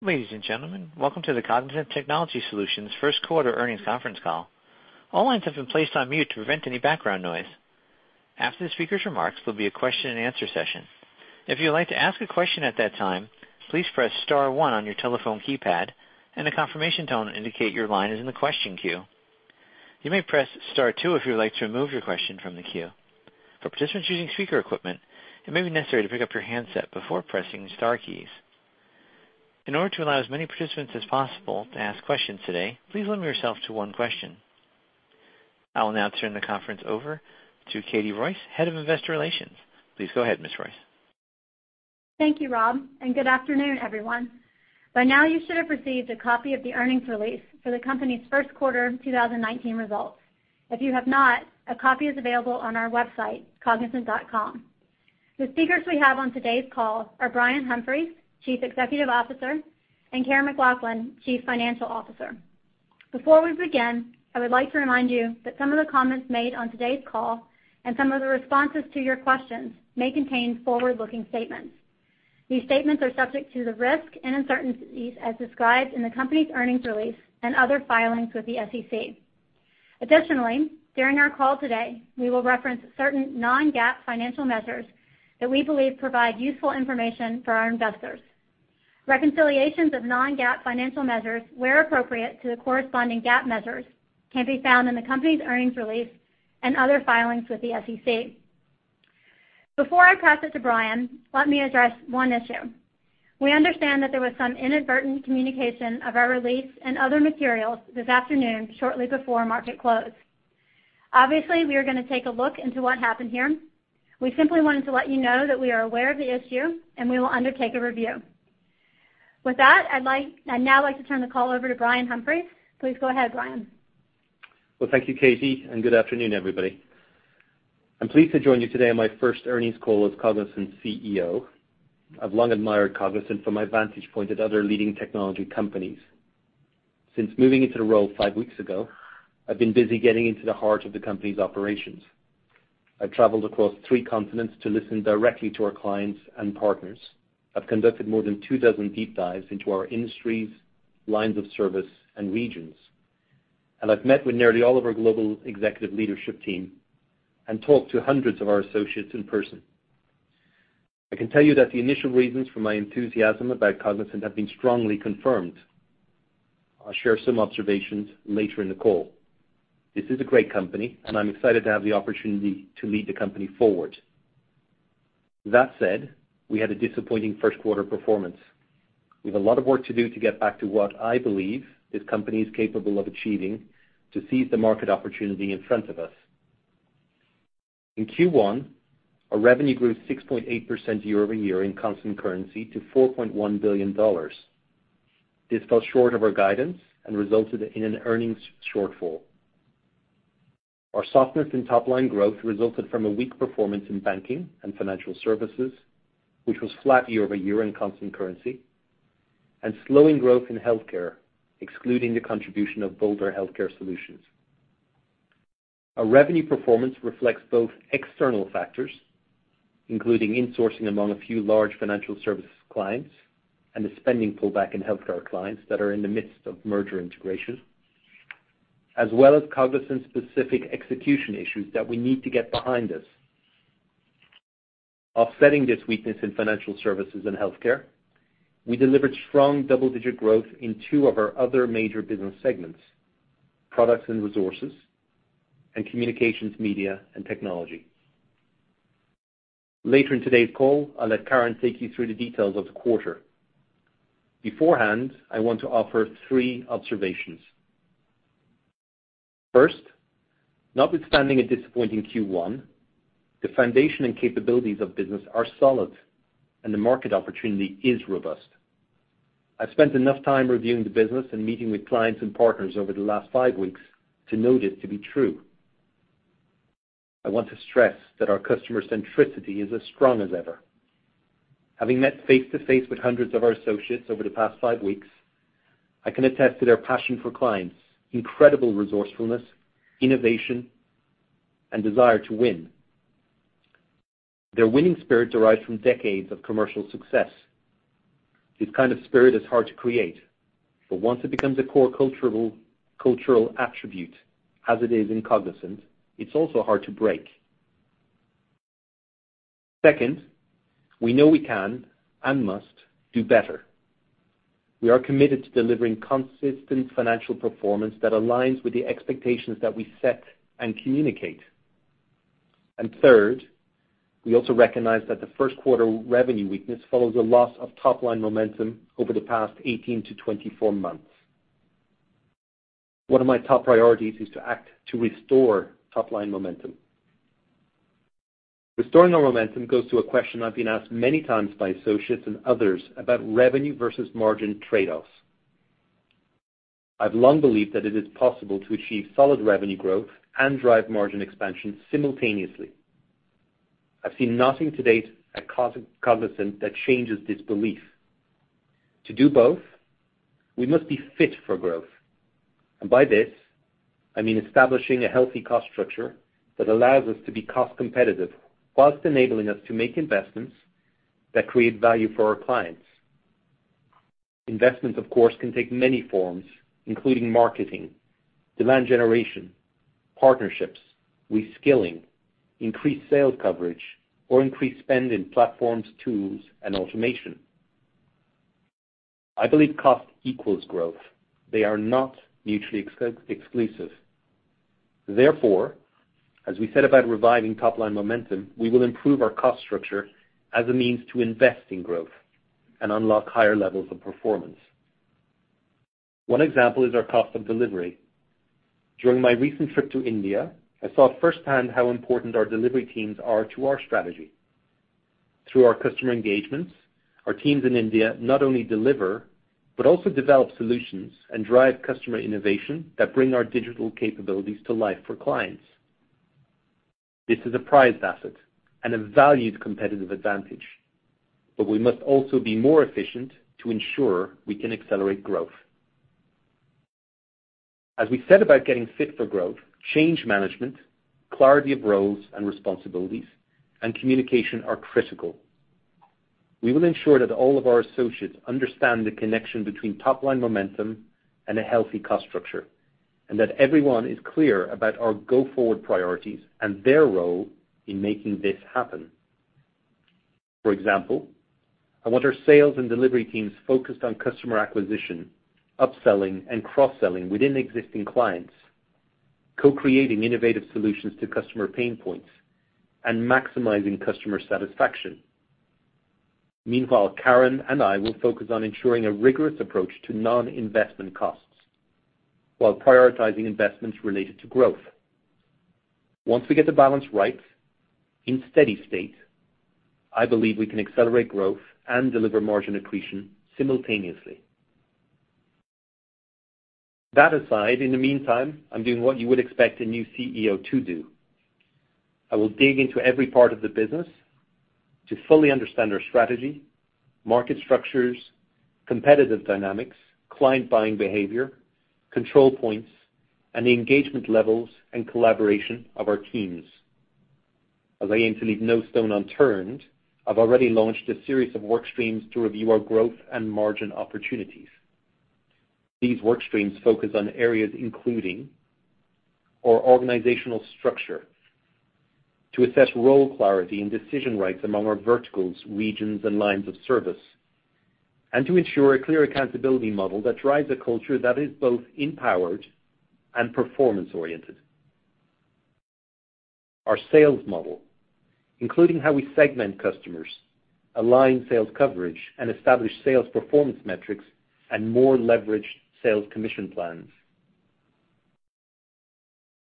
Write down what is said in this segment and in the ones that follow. Ladies and gentlemen, welcome to the Cognizant Technology Solutions first quarter earnings conference call. All lines have been placed on mute to prevent any background noise. After the speakers' remarks, there'll be a question and answer session. If you would like to ask a question at that time, please press star one on your telephone keypad, and a confirmation tone indicate your line is in the question queue. You may press star two if you would like to remove your question from the queue. For participants using speaker equipment, it may be necessary to pick up your handset before pressing the star keys. In order to allow as many participants as possible to ask questions today, please limit yourself to one question. I will now turn the conference over to Katie Royce, Head of Investor Relations. Please go ahead, Ms. Royce. Thank you, Rob, and good afternoon everyone. By now you should have received a copy of the earnings release for the company's first quarter 2019 results. If you have not, a copy is available on our website, cognizant.com. The speakers we have on today's call are Brian Humphries, Chief Executive Officer, and Karen McLoughlin, Chief Financial Officer. Before we begin, I would like to remind you that some of the comments made on today's call, and some of the responses to your questions, may contain forward-looking statements. These statements are subject to the risk and uncertainties as described in the company's earnings release and other filings with the SEC. Additionally, during our call today, we will reference certain non-GAAP financial measures that we believe provide useful information for our investors. Reconciliations of non-GAAP financial measures, where appropriate to the corresponding GAAP measures, can be found in the company's earnings release and other filings with the SEC. Before I pass it to Brian, let me address one issue. We understand that there was some inadvertent communication of our release and other materials this afternoon shortly before market close. Obviously, we are going to take a look into what happened here. We simply wanted to let you know that we are aware of the issue, and we will undertake a review. With that, I'd now like to turn the call over to Brian Humphries. Please go ahead, Brian. Well, thank you, Katie, good afternoon, everybody. I'm pleased to join you today on my first earnings call as Cognizant's CEO. I've long admired Cognizant from my vantage point at other leading technology companies. Since moving into the role five weeks ago, I've been busy getting into the heart of the company's operations. I've traveled across three continents to listen directly to our clients and partners. I've conducted more than two dozen deep dives into our industries, lines of service, and regions. I've met with nearly all of our global executive leadership team and talked to hundreds of our associates in person. I can tell you that the initial reasons for my enthusiasm about Cognizant have been strongly confirmed. I'll share some observations later in the call. This is a great company, and I'm excited to have the opportunity to lead the company forward. That said, we had a disappointing first-quarter performance. We have a lot of work to do to get back to what I believe this company's capable of achieving to seize the market opportunity in front of us. In Q1, our revenue grew 6.8% year-over-year in constant currency to $4.1 billion. This fell short of our guidance and resulted in an earnings shortfall. Our softness in top-line growth resulted from a weak performance in banking and financial services, which was flat year-over-year in constant currency, and slowing growth in healthcare, excluding the contribution of Bolder Healthcare Solutions. Our revenue performance reflects both external factors, including insourcing among a few large financial services clients and the spending pullback in healthcare clients that are in the midst of merger integration, as well as Cognizant-specific execution issues that we need to get behind us. Offsetting this weakness in financial services and healthcare, we delivered strong double-digit growth in two of our other major business segments: Products and Resources and Communications, Media, and Technology. Later in today's call, I'll let Karen take you through the details of the quarter. Beforehand, I want to offer three observations. First, notwithstanding a disappointing Q1, the foundation and capabilities of business are solid, and the market opportunity is robust. I've spent enough time reviewing the business and meeting with clients and partners over the last five weeks to know this to be true. I want to stress that our customer centricity is as strong as ever. Having met face-to-face with hundreds of our associates over the past five weeks, I can attest to their passion for clients, incredible resourcefulness, innovation, and desire to win. Their winning spirit derives from decades of commercial success. This kind of spirit is hard to create, but once it becomes a core cultural attribute, as it is in Cognizant, it's also hard to break. Second, we know we can and must do better. We are committed to delivering consistent financial performance that aligns with the expectations that we set and communicate. Third, we also recognize that the first quarter revenue weakness follows a loss of top-line momentum over the past 18-24 months. One of my top priorities is to act to restore top-line momentum. Restoring our momentum goes to a question I've been asked many times by associates and others about revenue versus margin trade-offs. I've long believed that it is possible to achieve solid revenue growth and drive margin expansion simultaneously. I've seen nothing to date at Cognizant that changes this belief. To do both, we must be fit for growth. By this, I mean establishing a healthy cost structure that allows us to be cost competitive, while enabling us to make investments that create value for our clients. Investments, of course, can take many forms, including marketing, demand generation, partnerships, reskilling, increased sales coverage, or increased spend in platforms, tools, and automation. I believe cost equals growth. They are not mutually exclusive. Therefore, as we set about reviving top-line momentum, we will improve our cost structure as a means to invest in growth and unlock higher levels of performance. One example is our cost of delivery. During my recent trip to India, I saw firsthand how important our delivery teams are to our strategy. Through our customer engagements, our teams in India not only deliver, but also develop solutions and drive customer innovation that bring our digital capabilities to life for clients. This is a prized asset and a valued competitive advantage, but we must also be more efficient to ensure we can accelerate growth. As we set about getting fit for growth, change management, clarity of roles and responsibilities, and communication are critical. We will ensure that all of our associates understand the connection between top-line momentum and a healthy cost structure, and that everyone is clear about our go-forward priorities and their role in making this happen. For example, I want our sales and delivery teams focused on customer acquisition, upselling, and cross-selling within existing clients, co-creating innovative solutions to customer pain points, and maximizing customer satisfaction. Meanwhile, Karen and I will focus on ensuring a rigorous approach to non-investment costs while prioritizing investments related to growth. Once we get the balance right, in steady state, I believe we can accelerate growth and deliver margin accretion simultaneously. That aside, in the meantime, I'm doing what you would expect a new CEO to do. I will dig into every part of the business to fully understand our strategy, market structures, competitive dynamics, client buying behavior, control points, and the engagement levels and collaboration of our teams. As I aim to leave no stone unturned, I've already launched a series of work streams to review our growth and margin opportunities. These work streams focus on areas including our organizational structure to assess role clarity and decision rights among our verticals, regions, and lines of service, and to ensure a clear accountability model that drives a culture that is both empowered and performance-oriented. Our sales model, including how we segment customers, align sales coverage, and establish sales performance metrics and more leveraged sales commission plans.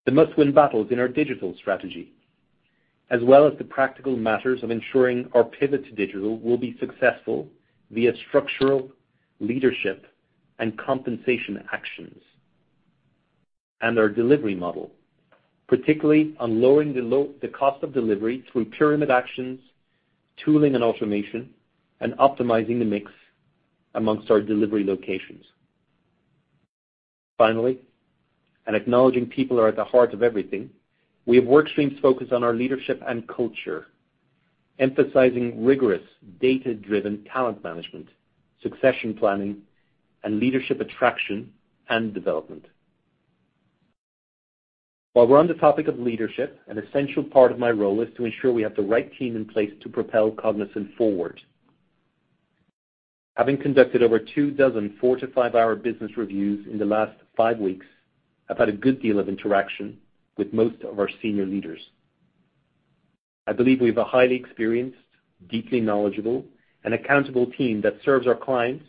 The must-win battles in our digital strategy, as well as the practical matters of ensuring our pivot to digital will be successful via structural leadership and compensation actions, and our delivery model, particularly on lowering the cost of delivery through pyramid actions, tooling and automation, and optimizing the mix amongst our delivery locations. Finally, acknowledging people are at the heart of everything, we have work streams focused on our leadership and culture, emphasizing rigorous, data-driven talent management, succession planning, and leadership attraction and development. While we're on the topic of leadership, an essential part of my role is to ensure we have the right team in place to propel Cognizant forward. Having conducted over two dozen four-to-five-hour business reviews in the last five weeks, I've had a good deal of interaction with most of our senior leaders. I believe we have a highly experienced, deeply knowledgeable, and accountable team that serves our clients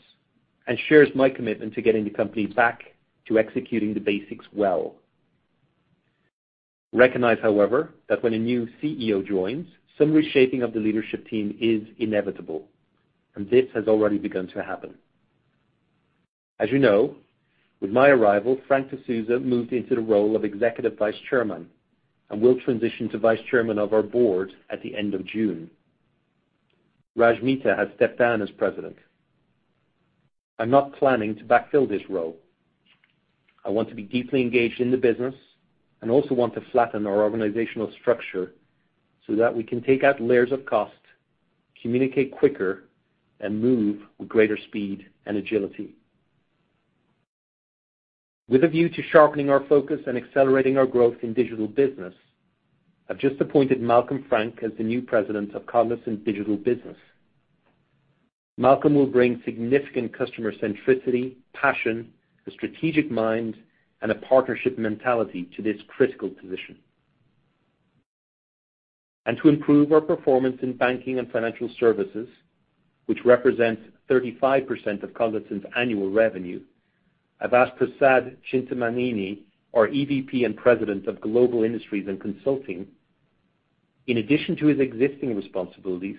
and shares my commitment to getting the company back to executing the basics well. Recognize, however, that when a new CEO joins, some reshaping of the leadership team is inevitable, and this has already begun to happen. As you know, with my arrival, Frank D'Souza moved into the role of Executive Vice Chairman and will transition to Vice Chairman of our board at the end of June. Raj Mehta has stepped down as president. I'm not planning to backfill this role. I want to be deeply engaged in the business and also want to flatten our organizational structure so that we can take out layers of cost, communicate quicker, and move with greater speed and agility. With a view to sharpening our focus and accelerating our growth in digital business, I've just appointed Malcolm Frank as the new President of Cognizant Digital Business. Malcolm will bring significant customer centricity, passion, a strategic mind, and a partnership mentality to this critical position. To improve our performance in banking and financial services, which represents 35% of Cognizant's annual revenue, I've asked Prasad Chintamaneni, our EVP and President of Global Industries and Consulting, in addition to his existing responsibilities,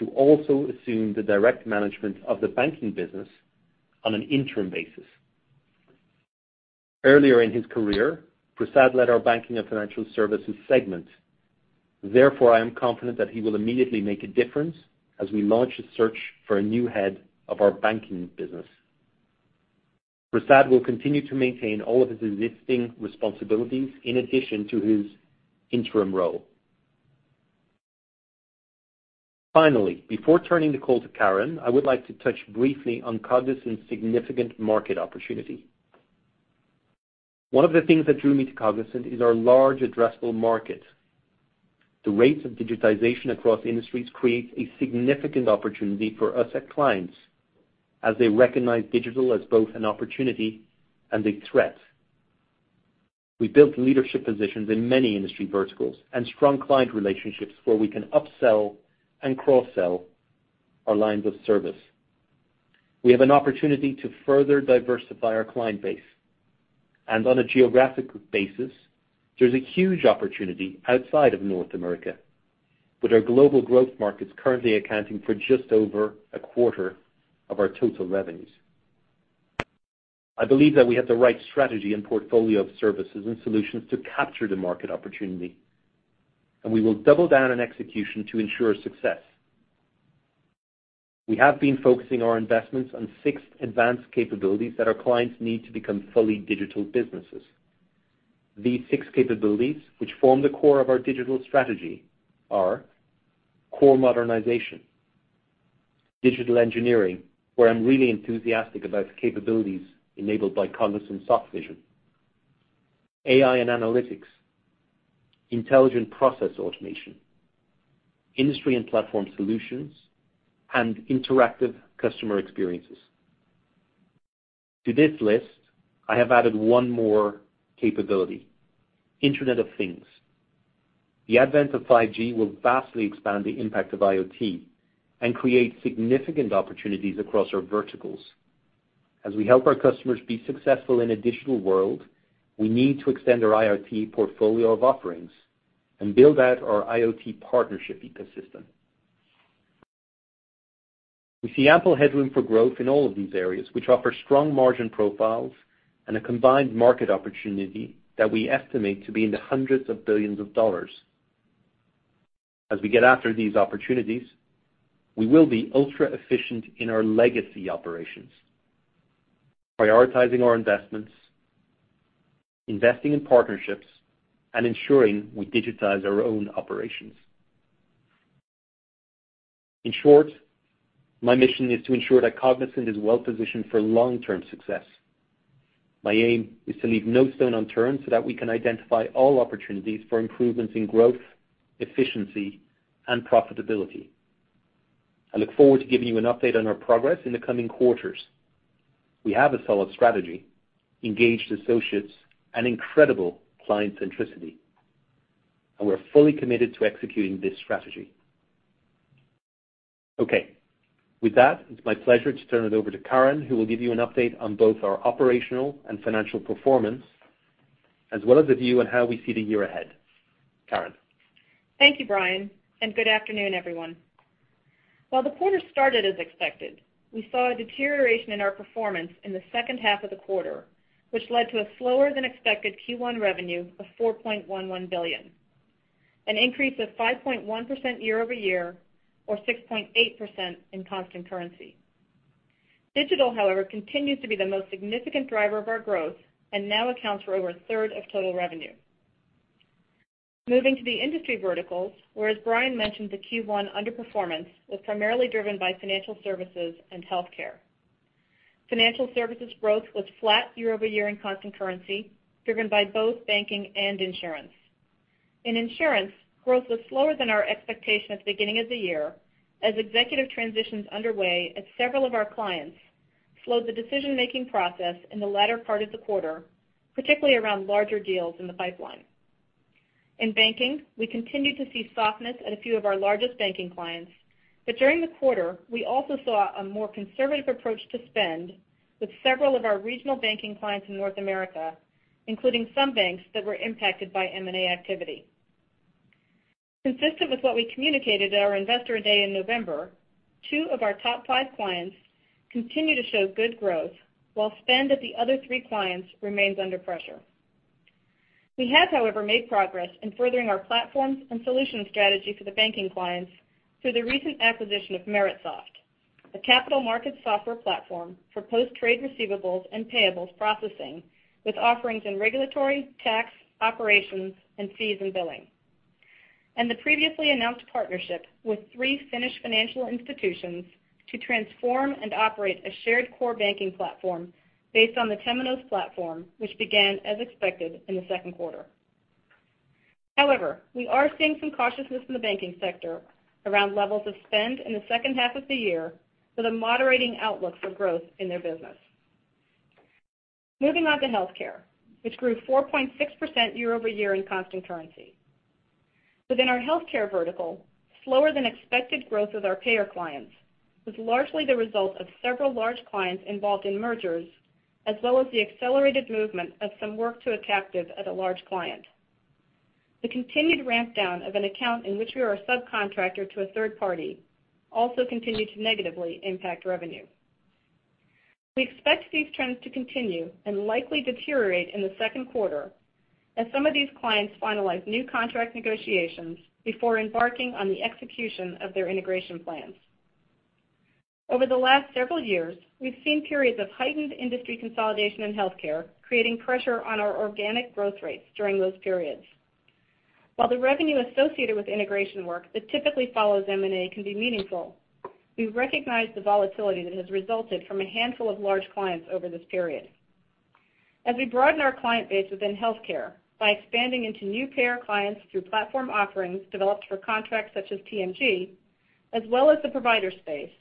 to also assume the direct management of the banking business on an interim basis. Earlier in his career, Prasad led our banking and financial services segment. Therefore, I am confident that he will immediately make a difference as we launch a search for a new head of our banking business. Prasad will continue to maintain all of his existing responsibilities in addition to his interim role. Finally, before turning the call to Karen, I would like to touch briefly on Cognizant's significant market opportunity. One of the things that drew me to Cognizant is our large addressable market. The rates of digitization across industries creates a significant opportunity for us at clients as they recognize digital as both an opportunity and a threat. We built leadership positions in many industry verticals and strong client relationships where we can upsell and cross-sell our lines of service. We have an opportunity to further diversify our client base. On a geographic basis, there's a huge opportunity outside of North America with our global growth markets currently accounting for just over a quarter of our total revenues. I believe that we have the right strategy and portfolio of services and solutions to capture the market opportunity, and we will double down on execution to ensure success. We have been focusing our investments on six advanced capabilities that our clients need to become fully digital businesses. These six capabilities, which form the core of our digital strategy, are core modernization, digital engineering, where I'm really enthusiastic about the capabilities enabled by Cognizant Softvision, AI and analytics, intelligent process automation, industry and platform solutions, and interactive customer experiences. To this list, I have added one more capability, Internet of Things. The advent of 5G will vastly expand the impact of IoT and create significant opportunities across our verticals. As we help our customers be successful in a digital world, we need to extend our IoT portfolio of offerings and build out our IoT partnership ecosystem. We see ample headroom for growth in all of these areas, which offer strong margin profiles and a combined market opportunity that we estimate to be in the hundreds of billions of dollars. As we get after these opportunities, we will be ultra-efficient in our legacy operations, prioritizing our investments, investing in partnerships, and ensuring we digitize our own operations. In short, my mission is to ensure that Cognizant is well-positioned for long-term success. My aim is to leave no stone unturned so that we can identify all opportunities for improvements in growth, efficiency, and profitability. I look forward to giving you an update on our progress in the coming quarters. We have a solid strategy, engaged associates, and incredible client centricity, and we're fully committed to executing this strategy. Okay. With that, it's my pleasure to turn it over to Karen, who will give you an update on both our operational and financial performance, as well as a view on how we see the year ahead. Karen? Thank you, Brian, and good afternoon, everyone. While the quarter started as expected, we saw a deterioration in our performance in the second half of the quarter, which led to a slower-than-expected Q1 revenue of $4.11 billion, an increase of 5.1% year-over-year or 6.8% in constant currency. Digital, however, continues to be the most significant driver of our growth and now accounts for over a third of total revenue. Moving to the industry verticals, where, as Brian mentioned, the Q1 underperformance was primarily driven by financial services and healthcare. Financial services growth was flat year-over-year in constant currency, driven by both banking and insurance. In insurance, growth was slower than our expectation at the beginning of the year, as executive transitions underway at several of our clients slowed the decision-making process in the latter part of the quarter, particularly around larger deals in the pipeline. In banking, we continued to see softness at a few of our largest banking clients, but during the quarter, we also saw a more conservative approach to spend with several of our regional banking clients in North America, including some banks that were impacted by M&A activity. Consistent with what we communicated at our investor day in November, two of our top five clients continue to show good growth, while spend at the other three clients remains under pressure. We have, however, made progress in furthering our platforms and solution strategy for the banking clients through the recent acquisition of Meritsoft, a capital markets software platform for post-trade receivables and payables processing with offerings in regulatory, tax, operations, and fees and billing. The previously announced partnership with three Finnish financial institutions to transform and operate a shared core banking platform based on the Temenos platform, which began as expected in the second quarter. However, we are seeing some cautiousness in the banking sector around levels of spend in the second half of the year with a moderating outlook for growth in their business. Moving on to healthcare, which grew 4.6% year-over-year in constant currency. Within our healthcare vertical, slower-than-expected growth of our payer clients was largely the result of several large clients involved in mergers, as well as the accelerated movement of some work to a captive at a large client. The continued ramp-down of an account in which we are a subcontractor to a third party also continued to negatively impact revenue. We expect these trends to continue and likely deteriorate in the second quarter as some of these clients finalize new contract negotiations before embarking on the execution of their integration plans. Over the last several years, we've seen periods of heightened industry consolidation in healthcare, creating pressure on our organic growth rates during those periods. While the revenue associated with integration work that typically follows M&A can be meaningful, we recognize the volatility that has resulted from a handful of large clients over this period. As we broaden our client base within healthcare by expanding into new payer clients through platform offerings developed for contracts such as TMG, as well as the provider space,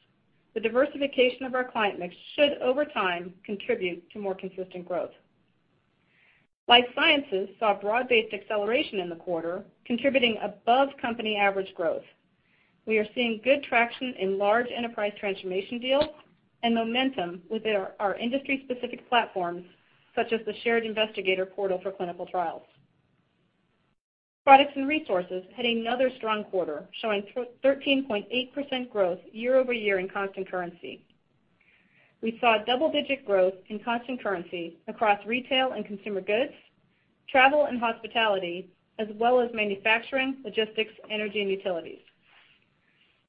the diversification of our client mix should, over time, contribute to more consistent growth. Life Sciences saw broad-based acceleration in the quarter, contributing above company average growth. We are seeing good traction in large enterprise transformation deals and momentum with our industry-specific platforms, such as the shared investigator portal for clinical trials. Products and Resources had another strong quarter, showing 13.8% growth year-over-year in constant currency. We saw double-digit growth in constant currency across retail and consumer goods, travel and hospitality, as well as manufacturing, logistics, energy, and utilities.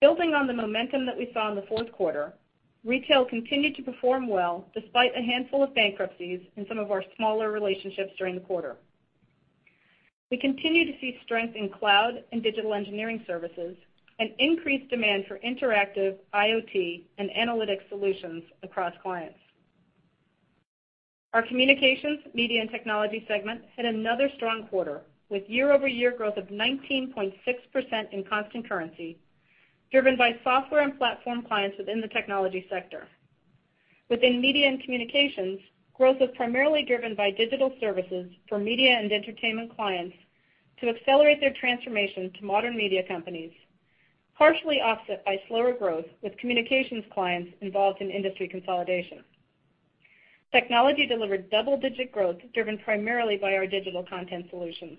Building on the momentum that we saw in the fourth quarter, retail continued to perform well, despite a handful of bankruptcies in some of our smaller relationships during the quarter. We continue to see strength in cloud and digital engineering services and increased demand for interactive IoT and analytics solutions across clients. Our Communications, Media and Technology segment had another strong quarter, with year-over-year growth of 19.6% in constant currency, driven by software and platform clients within the technology sector. Within media and communications, growth was primarily driven by digital services for media and entertainment clients to accelerate their transformation to modern media companies, partially offset by slower growth with communications clients involved in industry consolidation. Technology delivered double-digit growth, driven primarily by our digital content solutions.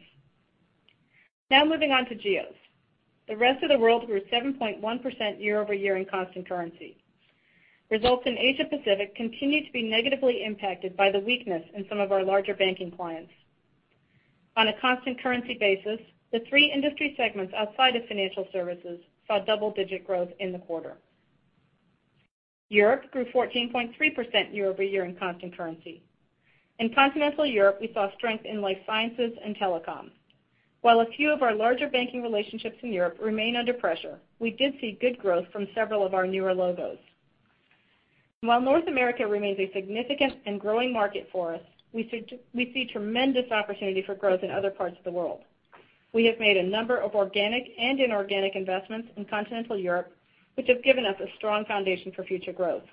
Moving on to geos. The rest of the world grew 7.1% year-over-year in constant currency. Results in Asia Pacific continued to be negatively impacted by the weakness in some of our larger banking clients. On a constant currency basis, the three industry segments outside of financial services saw double-digit growth in the quarter. Europe grew 14.3% year-over-year in constant currency. In continental Europe, we saw strength in Life Sciences and telecom. While a few of our larger banking relationships in Europe remain under pressure, we did see good growth from several of our newer logos. While North America remains a significant and growing market for us, we see tremendous opportunity for growth in other parts of the world. We have made a number of organic and inorganic investments in continental Europe, which have given us a strong foundation for future growth.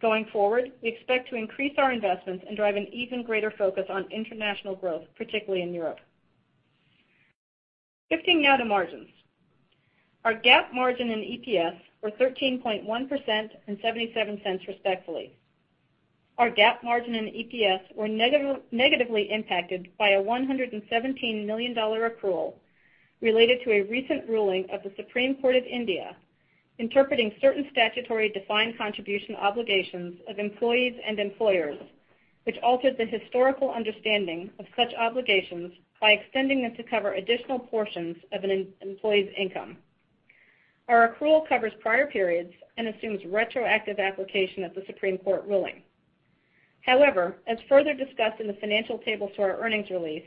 Going forward, we expect to increase our investments and drive an even greater focus on international growth, particularly in Europe. Shifting now to margins. Our GAAP margin and EPS were 13.1% and $0.77 respectively. Our GAAP margin and EPS were negatively impacted by a $117 million accrual related to a recent ruling of the Supreme Court of India interpreting certain statutory defined contribution obligations of employees and employers, which altered the historical understanding of such obligations by extending them to cover additional portions of an employee's income. Our accrual covers prior periods and assumes retroactive application of the Supreme Court ruling. However, as further discussed in the financial tables for our earnings release,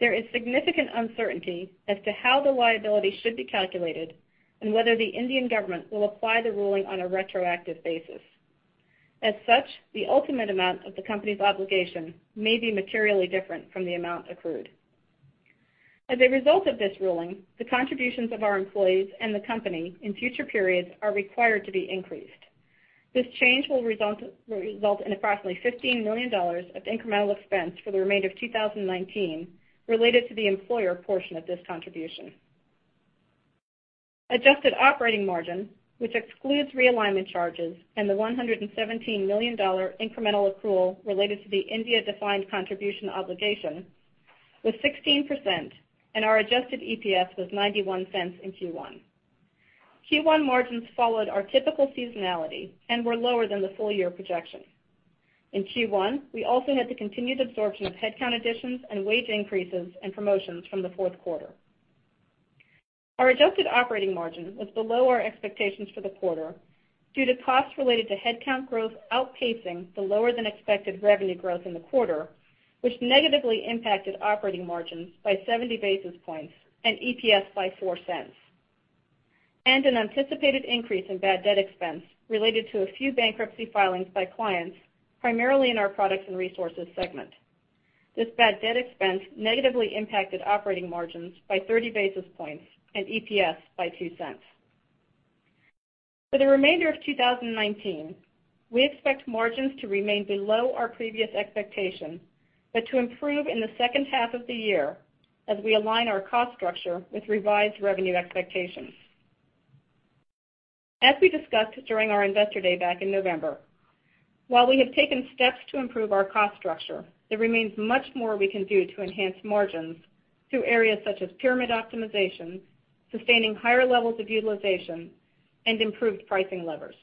there is significant uncertainty as to how the liability should be calculated and whether the Indian government will apply the ruling on a retroactive basis. As such, the ultimate amount of the company's obligation may be materially different from the amount accrued. As a result of this ruling, the contributions of our employees and the company in future periods are required to be increased. This change will result in approximately $15 million of incremental expense for the remainder of 2019 related to the employer portion of this contribution. Adjusted operating margin, which excludes realignment charges and the $117 million incremental accrual related to the India defined contribution obligation, was 16%, and our adjusted EPS was $0.91 in Q1. Q1 margins followed our typical seasonality and were lower than the full-year projection. In Q1, we also had the continued absorption of headcount additions and wage increases and promotions from the fourth quarter. Our adjusted operating margin was below our expectations for the quarter due to costs related to headcount growth outpacing the lower-than-expected revenue growth in the quarter, which negatively impacted operating margins by 70 basis points and EPS by $0.04, and an anticipated increase in bad debt expense related to a few bankruptcy filings by clients, primarily in our Products and Resources segment. This bad debt expense negatively impacted operating margins by 30 basis points and EPS by $0.02. For the remainder of 2019, we expect margins to remain below our previous expectation but to improve in the second half of the year as we align our cost structure with revised revenue expectations. As we discussed during our investor day back in November, while we have taken steps to improve our cost structure, there remains much more we can do to enhance margins through areas such as pyramid optimization, sustaining higher levels of utilization, and improved pricing levers.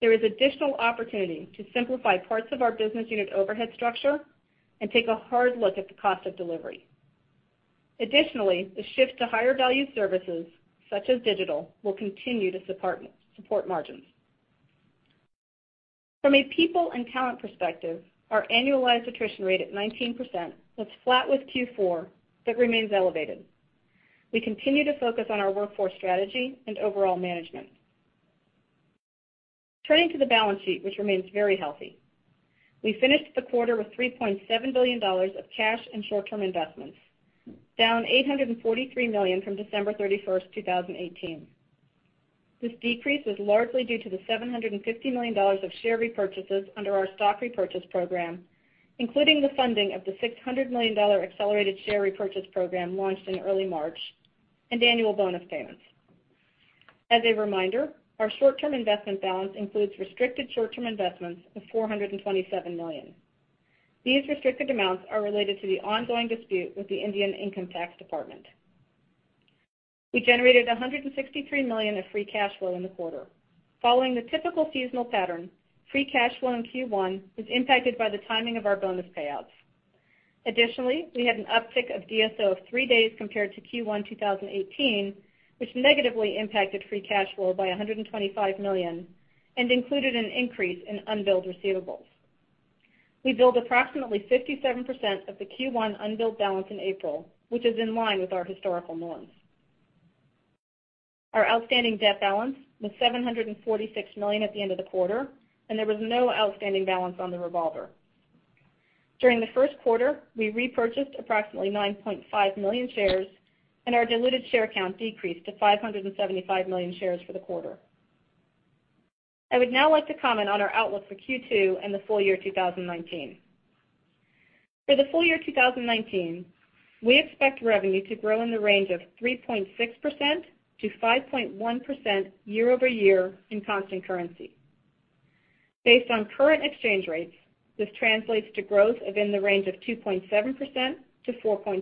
There is additional opportunity to simplify parts of our business unit overhead structure and take a hard look at the cost of delivery. Additionally, the shift to higher value services such as digital will continue to support margins. From a people and talent perspective, our annualized attrition rate at 19% was flat with Q4, but remains elevated. We continue to focus on our workforce strategy and overall management. Turning to the balance sheet, which remains very healthy. We finished the quarter with $3.7 billion of cash and short-term investments, down $843 million from December 31st, 2018. This decrease was largely due to the $750 million of share repurchases under our stock repurchase program, including the funding of the $600 million accelerated share repurchase program launched in early March, and annual bonus payments. As a reminder, our short-term investment balance includes restricted short-term investments of $427 million. These restricted amounts are related to the ongoing dispute with the Indian Income Tax Department. We generated $163 million of free cash flow in the quarter. Following the typical seasonal pattern, free cash flow in Q1 was impacted by the timing of our bonus payouts. Additionally, we had an uptick of DSO of three days compared to Q1 2018, which negatively impacted free cash flow by $125 million and included an increase in unbilled receivables. We billed approximately 57% of the Q1 unbilled balance in April, which is in line with our historical norms. Our outstanding debt balance was $746 million at the end of the quarter, and there was no outstanding balance on the revolver. During the first quarter, we repurchased approximately 9.5 million shares, and our diluted share count decreased to 575 million shares for the quarter. I would now like to comment on our outlook for Q2 and the full year 2019. For the full year 2019, we expect revenue to grow in the range of 3.6%-5.1% year-over-year in constant currency. Based on current exchange rates, this translates to growth in the range of 2.7%-4.2%,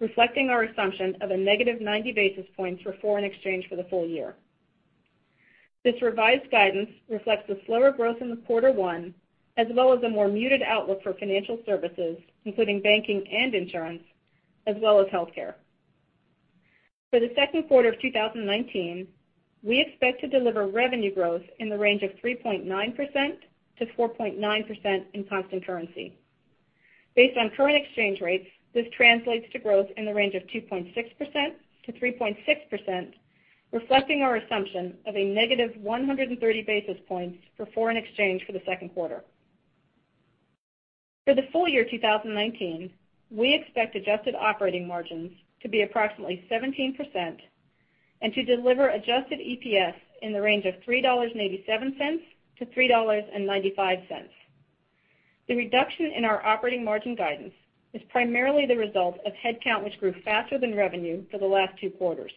reflecting our assumption of a -90 basis points for foreign exchange for the full year. This revised guidance reflects the slower growth in the quarter one, as well as a more muted outlook for financial services, including banking and insurance, as well as healthcare. For the second quarter of 2019, we expect to deliver revenue growth in the range of 3.9%-4.9% in constant currency. Based on current exchange rates, this translates to growth in the range of 2.6%-3.6%, reflecting our assumption of a negative 130 basis points for foreign exchange for the second quarter. For the full year 2019, we expect adjusted operating margins to be approximately 17% and to deliver adjusted EPS in the range of $3.87-$3.95. The reduction in our operating margin guidance is primarily the result of headcount, which grew faster than revenue for the last two quarters.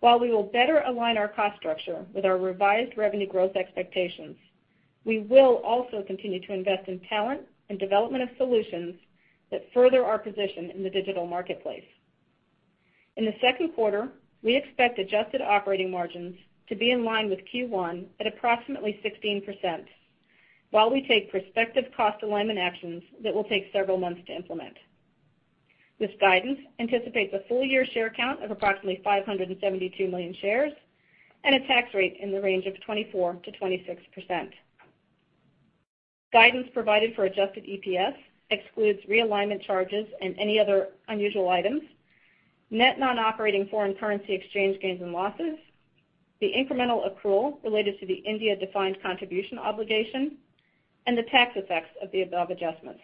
While we will better align our cost structure with our revised revenue growth expectations, we will also continue to invest in talent and development of solutions that further our position in the digital marketplace. In the second quarter, we expect adjusted operating margins to be in line with Q1 at approximately 16%, while we take prospective cost alignment actions that will take several months to implement. This guidance anticipates a full-year share count of approximately 572 million shares and a tax rate in the range of 24%-26%. Guidance provided for adjusted EPS excludes realignment charges and any other unusual items, net non-operating foreign currency exchange gains and losses, the incremental accrual related to the India defined contribution obligation, and the tax effects of the above adjustments.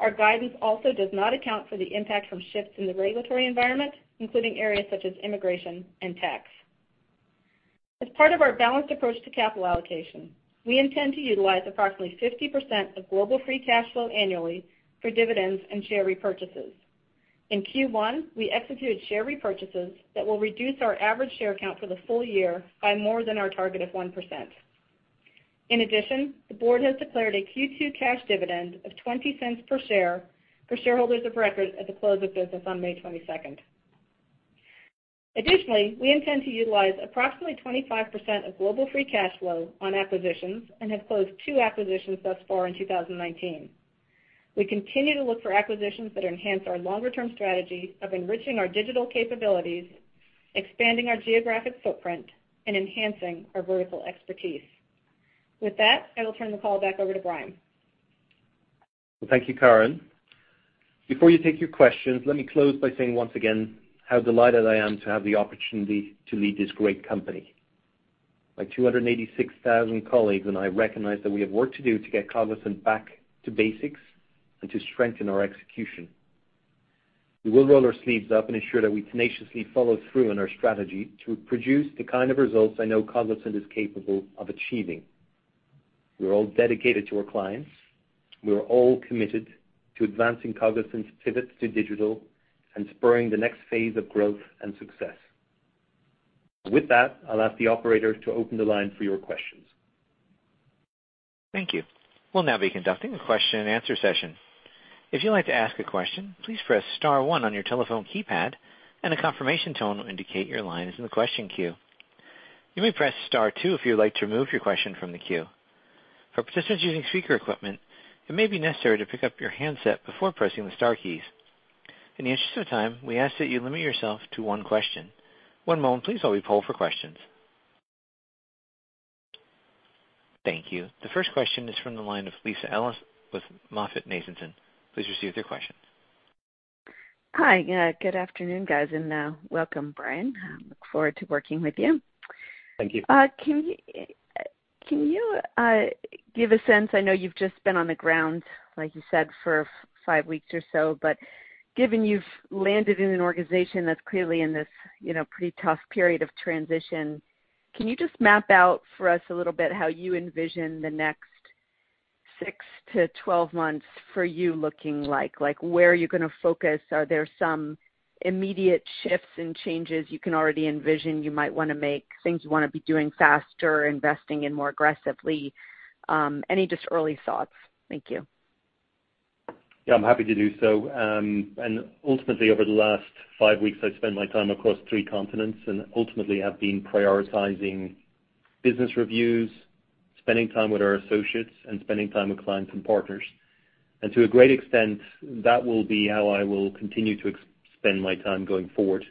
Our guidance also does not account for the impact from shifts in the regulatory environment, including areas such as immigration and tax. As part of our balanced approach to capital allocation, we intend to utilize approximately 50% of global free cash flow annually for dividends and share repurchases. In Q1, we executed share repurchases that will reduce our average share count for the full year by more than our target of 1%. In addition, the board has declared a Q2 cash dividend of $0.20 per share for shareholders of record at the close of business on May 22nd. Additionally, we intend to utilize approximately 25% of global free cash flow on acquisitions and have closed two acquisitions thus far in 2019. We continue to look for acquisitions that enhance our longer-term strategy of enriching our digital capabilities, expanding our geographic footprint, and enhancing our vertical expertise. With that, I will turn the call back over to Brian. Well, thank you, Karen. Before you take your questions, let me close by saying once again how delighted I am to have the opportunity to lead this great company. My 286,000 colleagues and I recognize that we have work to do to get Cognizant back to basics and to strengthen our execution. We will roll our sleeves up and ensure that we tenaciously follow through on our strategy to produce the kind of results I know Cognizant is capable of achieving. We are all dedicated to our clients. We are all committed to advancing Cognizant's pivot to digital and spurring the next phase of growth and success. With that, I'll ask the operator to open the line for your questions. Thank you. We'll now be conducting a question and answer session. If you'd like to ask a question, please press star one on your telephone keypad and a confirmation tone will indicate your line is in the question queue. You may press star two if you would like to remove your question from the queue. For participants using speaker equipment, it may be necessary to pick up your handset before pressing the star keys. In the interest of time, we ask that you limit yourself to one question. One moment, please, while we poll for questions. Thank you. The first question is from the line of Lisa Ellis with MoffettNathanson. Please proceed with your question. Hi. Good afternoon, guys, and welcome, Brian. I look forward to working with you. Thank you. Can you give a sense, I know you've just been on the ground, like you said, for five weeks or so, but given you've landed in an organization that's clearly in this pretty tough period of transition, can you just map out for us a little bit how you envision the next 6-12 months for you looking like? Like, where are you going to focus? Are there some immediate shifts and changes you can already envision you might want to make, things you want to be doing faster, investing in more aggressively? Any just early thoughts. Thank you. I'm happy to do so. Ultimately, over the last five weeks, I've spent my time across three continents and ultimately have been prioritizing business reviews, spending time with our associates and spending time with clients and partners. To a great extent, that will be how I will continue to spend my time going forward.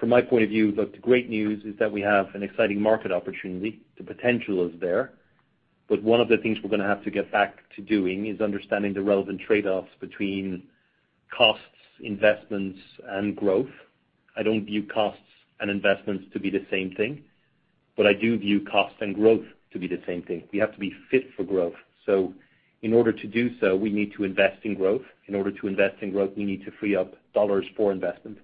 From my point of view, look, the great news is that we have an exciting market opportunity. The potential is there, One of the things we're going to have to get back to doing is understanding the relevant trade-offs between costs, investments, and growth. I don't view costs and investments to be the same thing, but I do view cost and growth to be the same thing. We have to be fit for growth. In order to do so, we need to invest in growth. In order to invest in growth, we need to free up dollars for investment.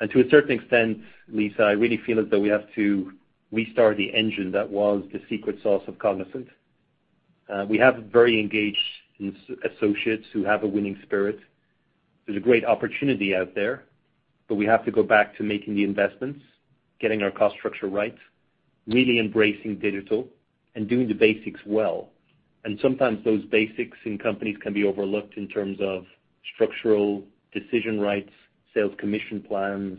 To a certain extent, Lisa, I really feel as though we have to restart the engine that was the secret sauce of Cognizant. We have very engaged associates who have a winning spirit. There's a great opportunity out there, We have to go back to making the investments, getting our cost structure right, really embracing digital, and doing the basics well. Sometimes those basics in companies can be overlooked in terms of structural decision rights, sales commission plans,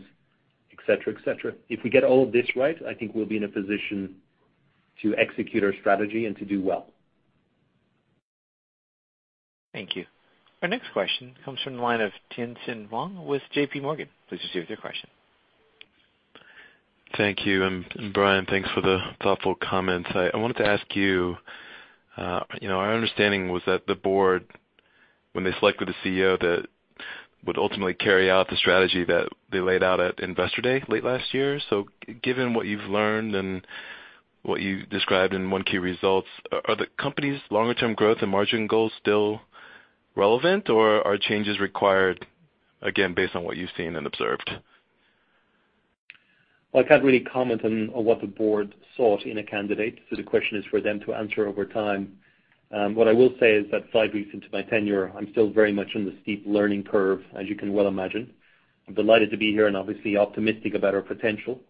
et cetera. If we get all of this right, I think we'll be in a position to execute our strategy and to do well. Thank you. Our next question comes from the line of Tien-Tsin Huang with JPMorgan. Please proceed with your question. Thank you. Brian, thanks for the thoughtful comments. I wanted to ask you, our understanding was that the board, when they selected a CEO that would ultimately carry out the strategy that they laid out at Investor Day late last year. Given what you've learned and what you described in 1Q results, are the company's longer-term growth and margin goals still relevant, or are changes required, again, based on what you've seen and observed? I can't really comment on what the board sought in a candidate. The question is for them to answer over time. What I will say is that five weeks into my tenure, I'm still very much in the steep learning curve, as you can well imagine. I'm delighted to be here and obviously optimistic about our potential.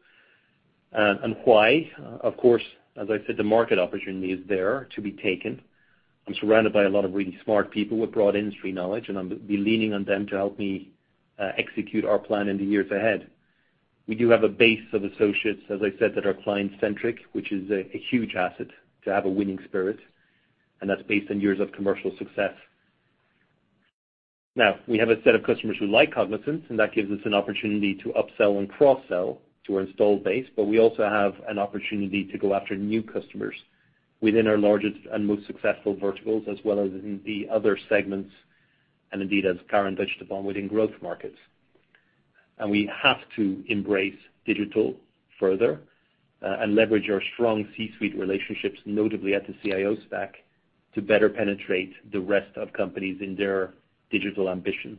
Why? Of course, as I said, the market opportunity is there to be taken. I'm surrounded by a lot of really smart people with broad industry knowledge, and I'll be leaning on them to help me execute our plan in the years ahead. We do have a base of associates, as I said, that are client-centric, which is a huge asset to have a winning spirit, and that's based on years of commercial success. We have a set of customers who like Cognizant, and that gives us an opportunity to upsell and cross-sell to our installed base, but we also have an opportunity to go after new customers within our largest and most successful verticals, as well as in the other segments, and indeed, as Karen touched upon, within growth markets. We have to embrace digital further and leverage our strong C-suite relationships, notably at the CIO stack, to better penetrate the rest of companies in their digital ambitions.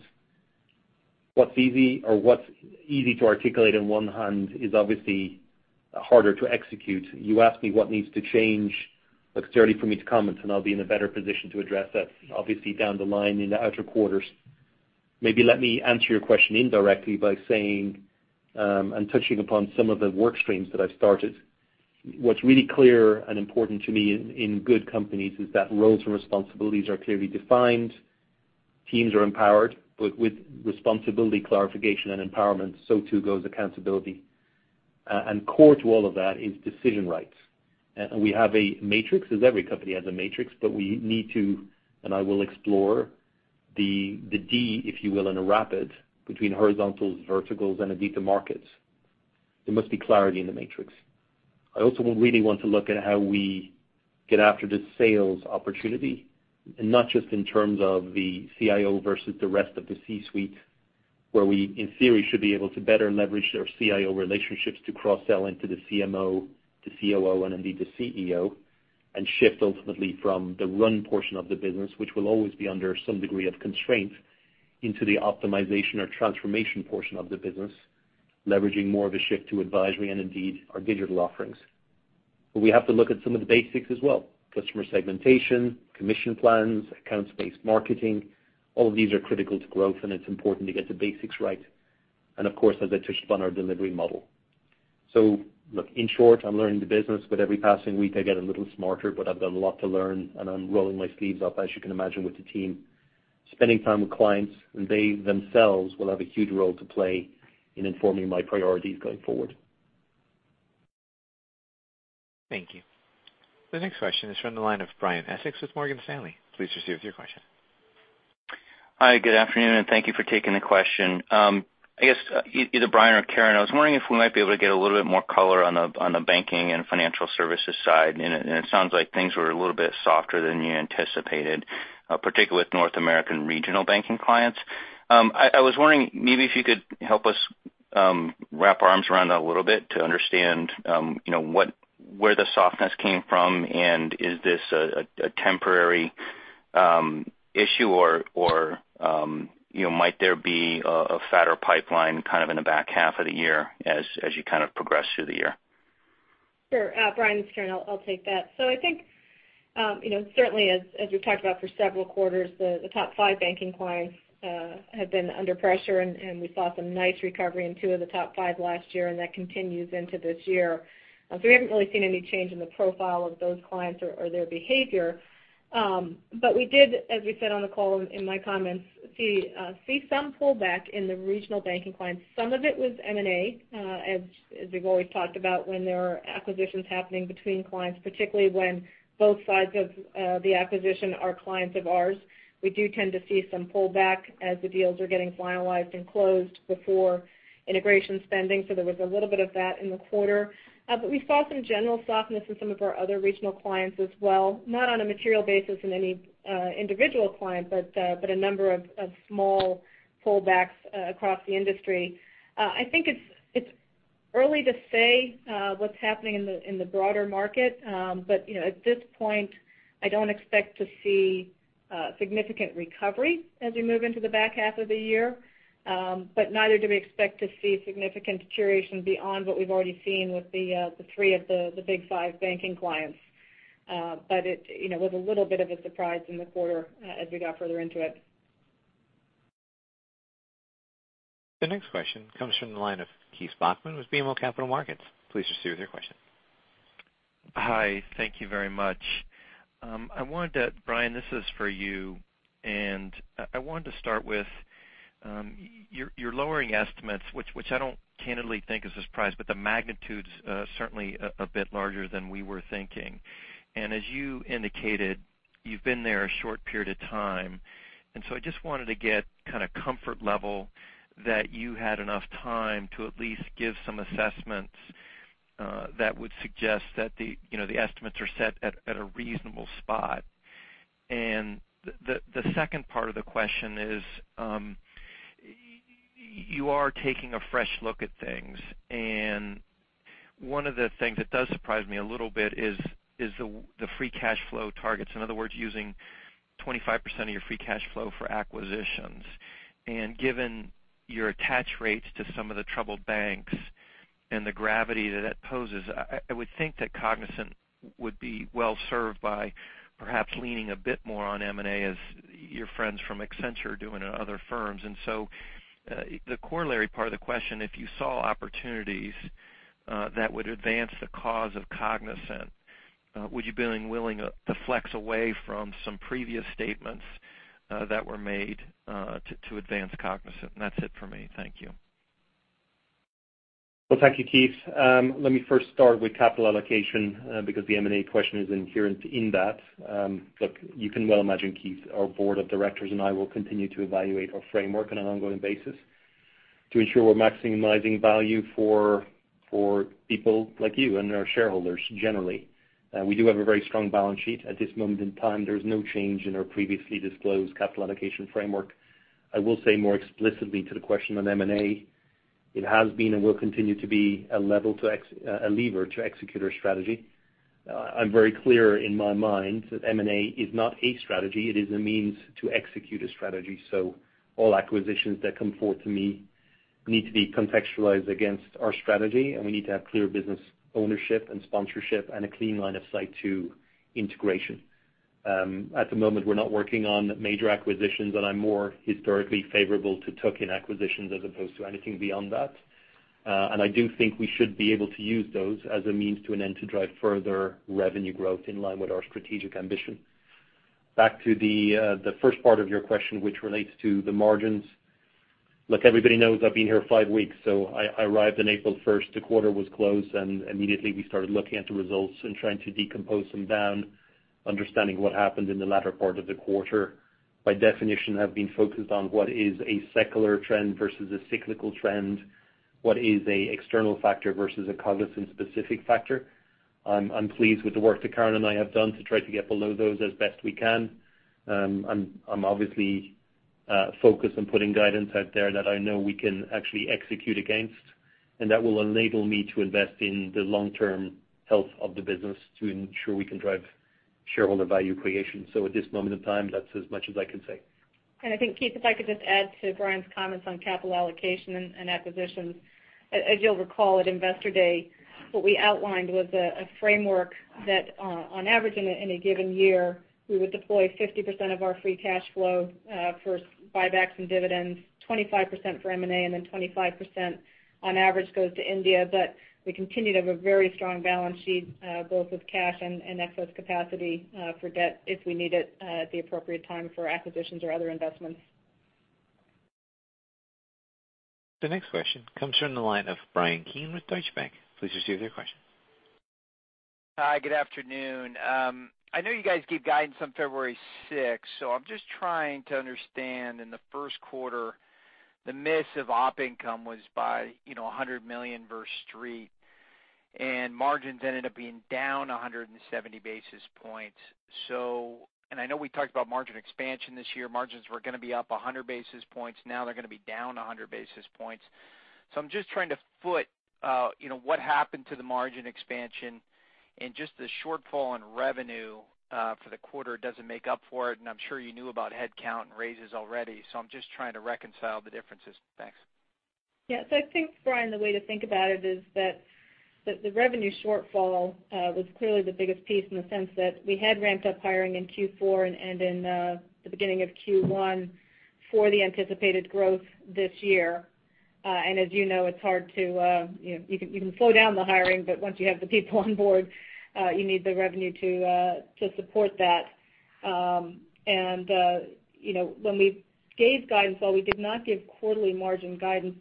What's easy to articulate on one hand is obviously harder to execute. You asked me what needs to change. It's early for me to comment, and I'll be in a better position to address that obviously down the line in the outer quarters. Maybe let me answer your question indirectly by saying and touching upon some of the work streams that I've started. What's really clear and important to me in good companies is that roles and responsibilities are clearly defined. Teams are empowered, but with responsibility, clarification, and empowerment, so too goes accountability. Core to all of that is decision rights. We have a matrix, as every company has a matrix, but we need to, and I will explore the D, if you will, in a rapid between horizontals, verticals, and indeed the markets. There must be clarity in the matrix. I also really want to look at how we get after the sales opportunity, and not just in terms of the CIO versus the rest of the C-suite, where we, in theory, should be able to better leverage their CIO relationships to cross-sell into the CMO, the COO, and indeed the CEO, and shift ultimately from the run portion of the business, which will always be under some degree of constraint, into the optimization or transformation portion of the business, leveraging more of a shift to advisory and indeed our digital offerings. We have to look at some of the basics as well. Customer segmentation, commission plans, accounts-based marketing, all of these are critical to growth, and it's important to get the basics right. Of course, as I touched upon, our delivery model. Look, in short, I'm learning the business. With every passing week, I get a little smarter, but I've got a lot to learn, and I'm rolling my sleeves up, as you can imagine, with the team, spending time with clients, and they themselves will have a huge role to play in informing my priorities going forward. Thank you. The next question is from the line of Brian Essex with Morgan Stanley. Please proceed with your question. Hi, good afternoon, and thank you for taking the question. I guess, either Brian or Karen, I was wondering if we might be able to get a little bit more color on the banking and financial services side. It sounds like things were a little bit softer than you anticipated, particularly with North American regional banking clients. I was wondering maybe if you could help us wrap our arms around that a little bit to understand where the softness came from and is this a temporary issue or might there be a fatter pipeline in the back half of the year as you progress through the year? Sure. Brian, it's Karen, I'll take that. I think, certainly as we've talked about for several quarters, the top five banking clients have been under pressure, and we saw some nice recovery in two of the top five last year, and that continues into this year. We haven't really seen any change in the profile of those clients or their behavior. We did, as we said on the call in my comments, see some pullback in the regional banking clients. Some of it was M&A. As we've always talked about, when there are acquisitions happening between clients, particularly when both sides of the acquisition are clients of ours, we do tend to see some pullback as the deals are getting finalized and closed before integration spending. There was a little bit of that in the quarter. We saw some general softness in some of our other regional clients as well. Not on a material basis in any individual client, but a number of small pullbacks across the industry. I think it's early to say what's happening in the broader market. At this point, I don't expect to see a significant recovery as we move into the back half of the year. Neither do we expect to see significant deterioration beyond what we've already seen with the three of the big five banking clients. It was a little bit of a surprise in the quarter as we got further into it. The next question comes from the line of Keith Bachman with BMO Capital Markets. Please proceed with your question. Hi. Thank you very much. Brian, this is for you. I wanted to start with, you are lowering estimates, which I don't candidly think is a surprise, but the magnitude is certainly a bit larger than we were thinking. As you indicated, you've been there a short period of time, and so I just wanted to get comfort level that you had enough time to at least give some assessments that would suggest that the estimates are set at a reasonable spot. The second part of the question is, you are taking a fresh look at things, and one of the things that does surprise me a little bit is the free cash flow targets. In other words, using 25% of your free cash flow for acquisitions. Given your attach rates to some of the troubled banks and the gravity that poses, I would think that Cognizant would be well-served by perhaps leaning a bit more on M&A as your friends from Accenture are doing and other firms. The corollary part of the question, if you saw opportunities that would advance the cause of Cognizant, would you be willing to flex away from some previous statements that were made to advance Cognizant? That's it for me. Thank you. Well, thank you, Keith. Let me first start with capital allocation because the M&A question is inherent in that. Look, you can well imagine, Keith, our board of directors and I will continue to evaluate our framework on an ongoing basis to ensure we are maximizing value for people like you and our shareholders generally. We do have a very strong balance sheet. At this moment in time, there is no change in our previously disclosed capital allocation framework. I will say more explicitly to the question on M&A, it has been and will continue to be a lever to execute our strategy. I'm very clear in my mind that M&A is not a strategy. It is a means to execute a strategy. All acquisitions that come forward to me need to be contextualized against our strategy, and we need to have clear business ownership and sponsorship and a clean line of sight to integration. At the moment, we are not working on major acquisitions, and I'm more historically favorable to tuck-in acquisitions as opposed to anything beyond that. I do think we should be able to use those as a means to an end to drive further revenue growth in line with our strategic ambition. Back to the first part of your question, which relates to the margins. Look, everybody knows I've been here five weeks, so I arrived on April 1st. The quarter was closed, and immediately we started looking at the results and trying to decompose them down, understanding what happened in the latter part of the quarter. By definition, I've been focused on what is a secular trend versus a cyclical trend, what is an external factor versus a Cognizant-specific factor. I'm pleased with the work that Karen and I have done to try to get below those as best we can. I'm obviously focused on putting guidance out there that I know we can actually execute against, and that will enable me to invest in the long-term health of the business to ensure we can drive shareholder value creation. At this moment in time, that's as much as I can say. I think, Keith, if I could just add to Brian's comments on capital allocation and acquisitions. As you'll recall, at Investor Day, what we outlined was a framework that, on average in a given year, we would deploy 50% of our free cash flow for buybacks and dividends, 25% for M&A, and 25% on average goes to India. We continue to have a very strong balance sheet, both with cash and excess capacity for debt, if we need it at the appropriate time for acquisitions or other investments. The next question comes from the line of Bryan Keane with Deutsche Bank. Please proceed with your question. Hi, good afternoon. I know you guys gave guidance on February 6. I'm just trying to understand, in the first quarter, the miss of op income was by $100 million versus Street, and margins ended up being down 170 basis points. I know we talked about margin expansion this year. Margins were going to be up 100 basis points. Now they're going to be down 100 basis points. I'm just trying to foot what happened to the margin expansion and just the shortfall in revenue for the quarter doesn't make up for it. I'm sure you knew about headcount and raises already, so I'm just trying to reconcile the differences. Thanks. Yeah. I think, Brian, the way to think about it is that the revenue shortfall was clearly the biggest piece in the sense that we had ramped up hiring in Q4 and in the beginning of Q1 for the anticipated growth this year. As you know, you can slow down the hiring, but once you have the people on board, you need the revenue to support that. When we gave guidance, while we did not give quarterly margin guidance,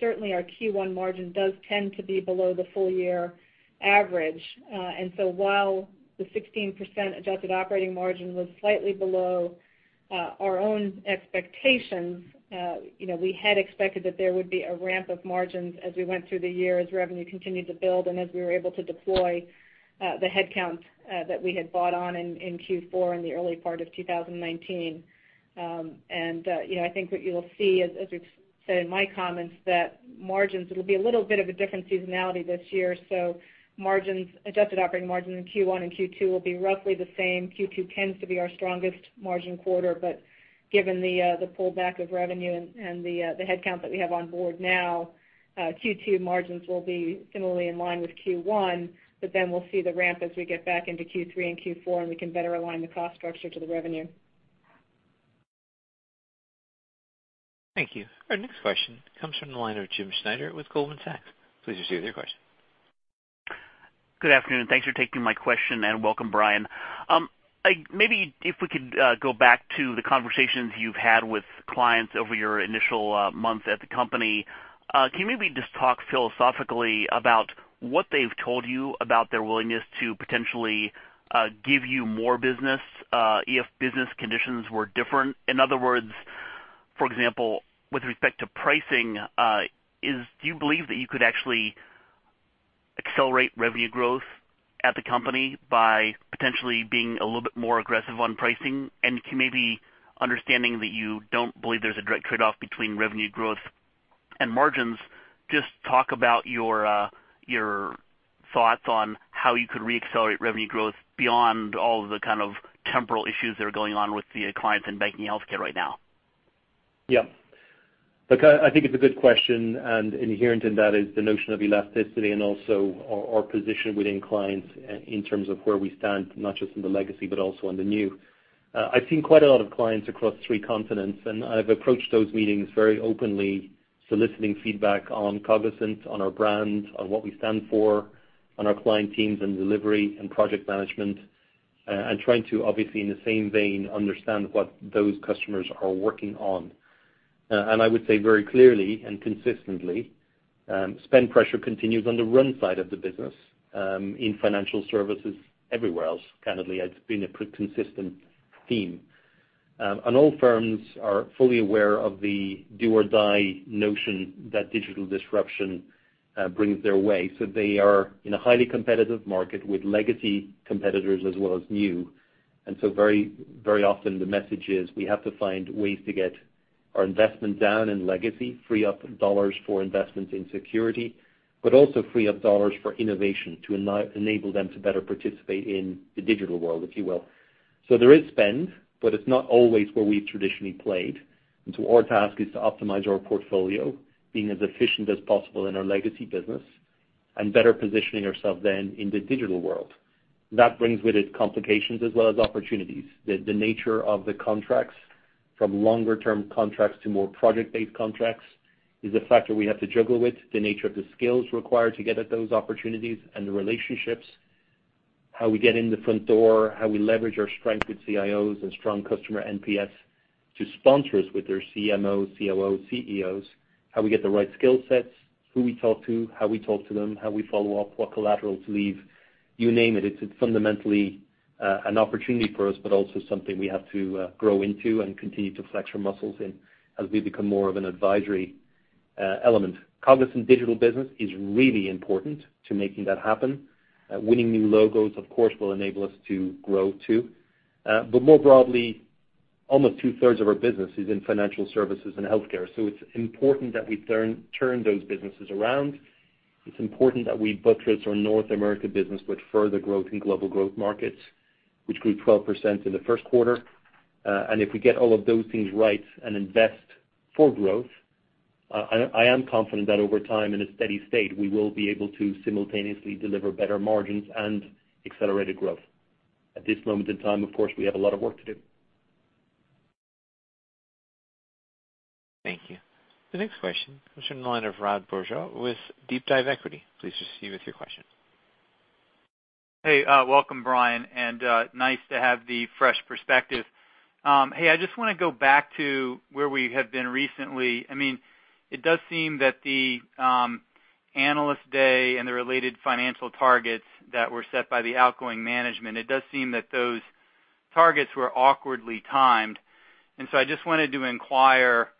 certainly our Q1 margin does tend to be below the full year average. While the 16% adjusted operating margin was slightly below our own expectations, we had expected that there would be a ramp of margins as we went through the year, as revenue continued to build and as we were able to deploy the headcount that we had bought on in Q4 and the early part of 2019. I think what you'll see, as we've said in my comments, that margins, it'll be a little bit of a different seasonality this year. Adjusted operating margin in Q1 and Q2 will be roughly the same. Q2 tends to be our strongest margin quarter, but given the pullback of revenue and the headcount that we have on board now, Q2 margins will be similarly in line with Q1. We'll see the ramp as we get back into Q3 and Q4, and we can better align the cost structure to the revenue. Thank you. Our next question comes from the line of Jim Schneider with Goldman Sachs. Please proceed with your question. Good afternoon. Thanks for taking my question, and welcome, Brian. If we could go back to the conversations you've had with clients over your initial months at the company. Just talk philosophically about what they've told you about their willingness to potentially give you more business if business conditions were different? In other words, for example, with respect to pricing, do you believe that you could actually accelerate revenue growth at the company by potentially being a little bit more aggressive on pricing? Understanding that you don't believe there's a direct trade-off between revenue growth and margins, just talk about your thoughts on how you could re-accelerate revenue growth beyond all of the kind of temporal issues that are going on with the clients in banking and healthcare right now. I think it's a good question. Inherent in that is the notion of elasticity and also our position within clients in terms of where we stand, not just in the legacy, but also in the new. I've seen quite a lot of clients across three continents. I've approached those meetings very openly, soliciting feedback on Cognizant, on our brand, on what we stand for, on our client teams and delivery and project management, trying to obviously, in the same vein, understand what those customers are working on. I would say very clearly and consistently, spend pressure continues on the run side of the business, in financial services everywhere else. Candidly, it's been a consistent theme. All firms are fully aware of the do or die notion that digital disruption brings their way. They are in a highly competitive market with legacy competitors as well as new. Very often the message is we have to find ways to get our investment down in legacy, free up dollars for investment in security, but also free up dollars for innovation to enable them to better participate in the digital world, if you will. There is spend, but it's not always where we've traditionally played. Our task is to optimize our portfolio, being as efficient as possible in our legacy business, and better positioning ourselves then in the digital world. That brings with it complications as well as opportunities. The nature of the contracts, from longer-term contracts to more project-based contracts, is a factor we have to juggle with. The nature of the skills required to get at those opportunities and the relationships, how we get in the front door, how we leverage our strength with CIOs and strong customer NPS to sponsor us with their CMOs, COOs, CEOs, how we get the right skill sets, who we talk to, how we talk to them, how we follow up, what collateral to leave. You name it. It's fundamentally an opportunity for us, but also something we have to grow into and continue to flex our muscles in as we become more of an advisory element. Cognizant Digital Business is really important to making that happen. Winning new logos, of course, will enable us to grow too. More broadly, almost two-thirds of our business is in financial services and healthcare. It's important that we turn those businesses around. It's important that we buttress our North America business with further growth in global growth markets, which grew 12% in the first quarter. If we get all of those things right and invest for growth, I am confident that over time, in a steady state, we will be able to simultaneously deliver better margins and accelerated growth. At this moment in time, of course, we have a lot of work to do. Thank you. The next question comes from the line of Rod Bourgeois with DeepDive Equity. Please proceed with your question. Hey, welcome, Brian, nice to have the fresh perspective. I just want to go back to where we have been recently. It does seem that the Analyst Day and the related financial targets that were set by the outgoing management, it does seem that those targets were awkwardly timed. I just wanted to inquire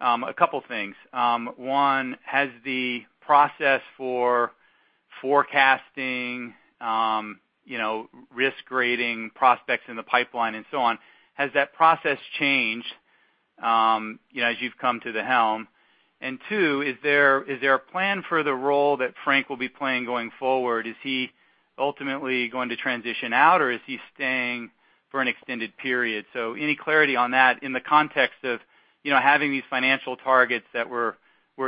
a couple things. One, has the process for forecasting, risk rating, prospects in the pipeline and so on, has that process changed as you've come to the helm? Two, is there a plan for the role that Frank will be playing going forward? Is he ultimately going to transition out or is he staying for an extended period? Any clarity on that in the context of having these financial targets that were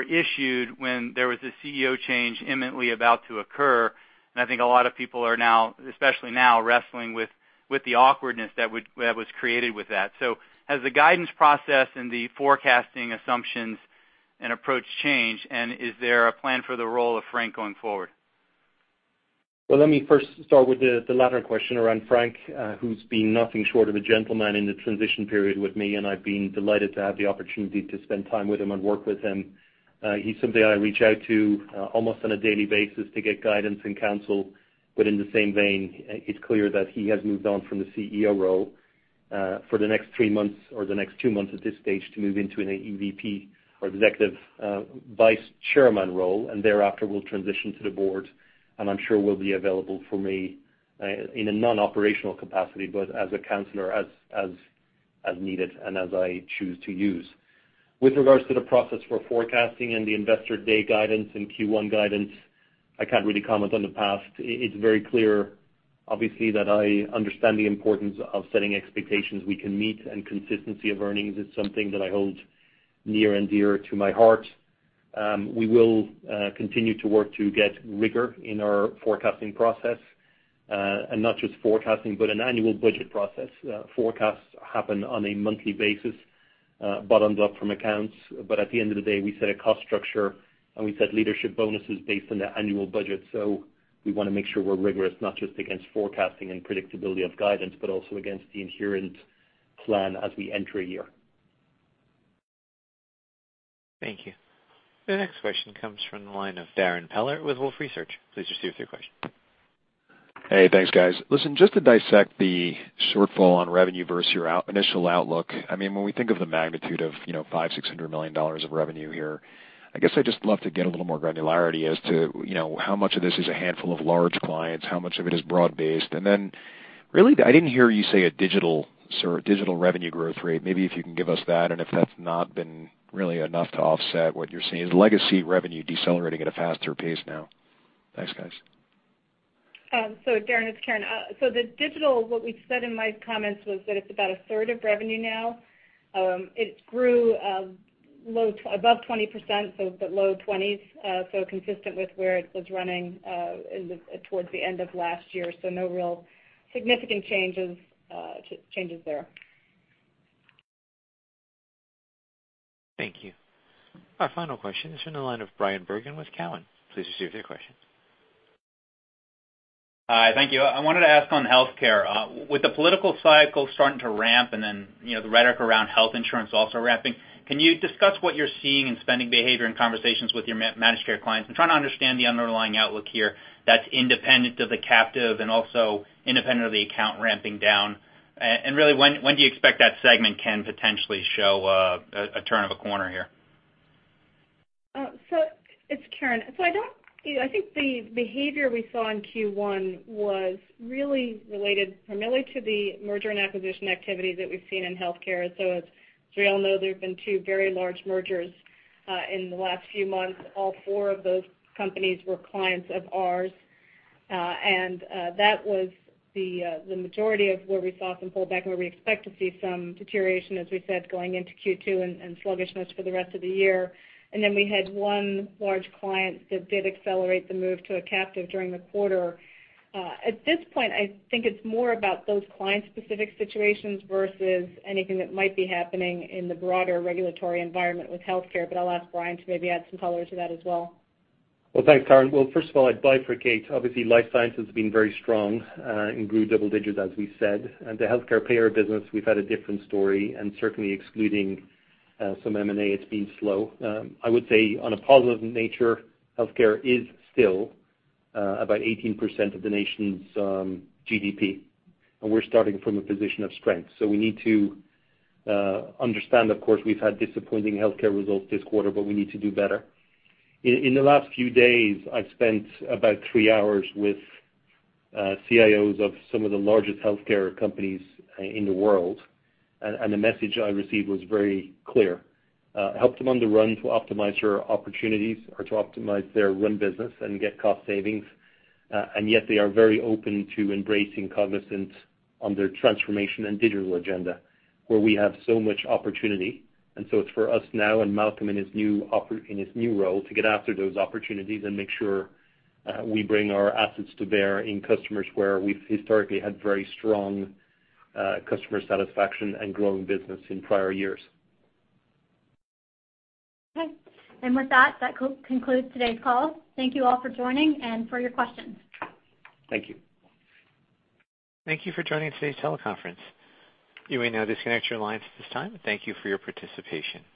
issued when there was a CEO change imminently about to occur. I think a lot of people are now, especially now, wrestling with the awkwardness that was created with that. Has the guidance process and the forecasting assumptions and approach changed, and is there a plan for the role of Frank going forward? Well, let me first start with the latter question around Frank, who's been nothing short of a gentleman in the transition period with me, and I've been delighted to have the opportunity to spend time with him and work with him. He's somebody I reach out to almost on a daily basis to get guidance and counsel. In the same vein, it's clear that he has moved on from the CEO role for the next three months or the next two months at this stage to move into an EVP or Executive Vice Chairman role, and thereafter will transition to the board, and I'm sure will be available for me in a non-operational capacity, but as a counselor as needed and as I choose to use. With regards to the process for forecasting and the Investor Day guidance and Q1 guidance, I can't really comment on the past. It's very clear, obviously, that I understand the importance of setting expectations we can meet. Consistency of earnings is something that I hold near and dear to my heart. We will continue to work to get rigor in our forecasting process. Not just forecasting, but an annual budget process. Forecasts happen on a monthly basis, bottomed up from accounts. At the end of the day, we set a cost structure and we set leadership bonuses based on the annual budget. We want to make sure we're rigorous, not just against forecasting and predictability of guidance, but also against the inherent plan as we enter a year. Thank you. The next question comes from the line of Darrin Peller with Wolfe Research. Please proceed with your question. Hey, thanks guys. Listen, just to dissect the shortfall on revenue versus your initial outlook. When we think of the magnitude of $500 million, $600 million of revenue here, I guess I'd just love to get a little more granularity as to how much of this is a handful of large clients, how much of it is broad-based? Really, I didn't hear you say a digital revenue growth rate. Maybe if you can give us that, and if that's not been really enough to offset what you're seeing. Is legacy revenue decelerating at a faster pace now? Thanks, guys. Darrin, it's Karen. The digital, what we said in my comments was that it's about a third of revenue now. It grew above 20%, it's at low 20s, consistent with where it was running towards the end of last year. No real significant changes there. Thank you. Our final question is from the line of Bryan Bergin with Cowen. Please proceed with your question. Hi, thank you. I wanted to ask on healthcare. With the political cycle starting to ramp and then the rhetoric around health insurance also ramping, can you discuss what you're seeing in spending behavior and conversations with your managed care clients? I'm trying to understand the underlying outlook here that's independent of the captive and also independent of the account ramping down. Really, when do you expect that segment can potentially show a turn of a corner here? It's Karen. I think the behavior we saw in Q1 was really related primarily to the merger and acquisition activity that we've seen in healthcare. As we all know, there's been two very large mergers in the last few months. All four of those companies were clients of ours. That was the majority of where we saw some pullback and where we expect to see some deterioration, as we said, going into Q2 and sluggishness for the rest of the year. Then we had one large client that did accelerate the move to a captive during the quarter. At this point, I think it's more about those client-specific situations versus anything that might be happening in the broader regulatory environment with healthcare. I'll ask Brian to maybe add some color to that as well. Well, thanks, Karen. Well, first of all, I'd bifurcate. Obviously, life science has been very strong and grew double digits, as we said. The healthcare payer business, we've had a different story, and certainly excluding some M&A, it's been slow. I would say on a positive nature, healthcare is still about 18% of the nation's GDP, and we're starting from a position of strength. We need to understand, of course, we've had disappointing healthcare results this quarter, but we need to do better. In the last few days, I've spent about three hours with CIOs of some of the largest healthcare companies in the world, and the message I received was very clear. Help them on the run to optimize your opportunities or to optimize their run business and get cost savings. Yet they are very open to embracing Cognizant on their transformation and digital agenda, where we have so much opportunity. It's for us now and Malcolm in his new role to get after those opportunities and make sure we bring our assets to bear in customers where we've historically had very strong customer satisfaction and growing business in prior years. Okay. With that concludes today's call. Thank you all for joining and for your questions. Thank you. Thank you for joining today's teleconference. You may now disconnect your lines at this time. Thank you for your participation.